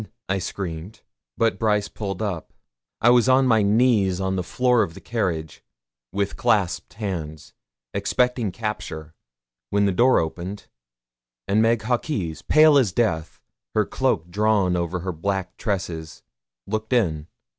I screamed. But Brice pulled up. I was on my knees on the floor of the carriage, with clasped hands, expecting capture, when the door opened, and Meg Hawkes, pale as death, her cloak drawn over her black tresses, looked in.